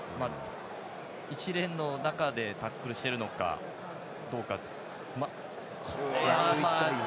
一連の中でタックルしてるのかどうか。